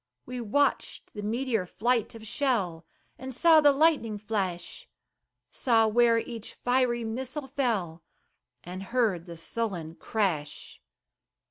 We watched the meteor flight of shell, And saw the lightning flash; Saw where each fiery missile fell, And heard the sullen crash.